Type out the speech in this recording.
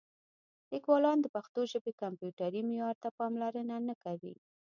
لیکوالان د پښتو ژبې کمپیوټري معیار ته پاملرنه نه کوي.